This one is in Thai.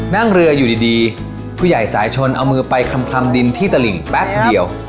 นั่งเรืออยู่ดีผู้ใหญ่สายชนเอามือไปคลำดินที่ตลิ่งแป๊บเดียว